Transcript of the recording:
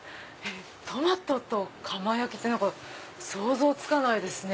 トマトと釜焼って想像つかないですね。